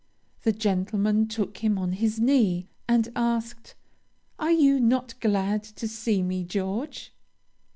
The gentleman took him on his knee, and asked, 'Are you not glad to see me, George?'